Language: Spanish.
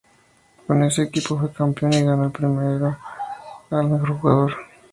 Con ese equipo, fue campeón y ganó el premio a mejor jugador.